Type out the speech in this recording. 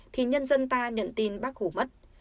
thì nhân dân ta nhận tin bác hồ mất